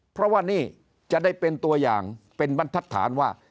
เพราะว่านี่จะได้เป็นตัวอย่างเป็นบรรทัศนว่า